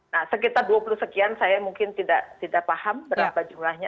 nah sekitar dua puluh sekian saya mungkin tidak paham berapa jumlahnya